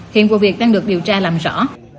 hiện vụ việc đang được điều tra làm rõ